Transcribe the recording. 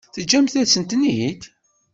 Teǧǧamt-asen-ten-id?